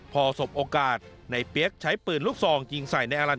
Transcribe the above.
พอสบโอกาสในเปี๊ยกใช้ปืนลูกซองยิงใส่นายอลันต